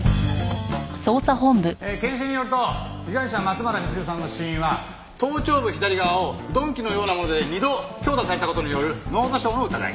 検視によると被害者松原みちるさんの死因は頭頂部左側を鈍器のようなもので二度強打された事による脳挫傷の疑い。